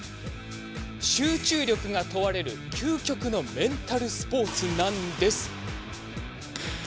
集中力が問われる究極のメンタルスポーツなんです。